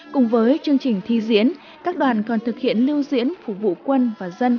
cùng với chương trình thi diễn các đoàn còn thực hiện lưu diễn phục vụ quân và dân